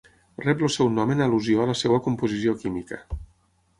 Rep el seu nom en al·lusió a la seva composició química.